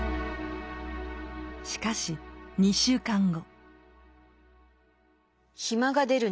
しかし２週間後。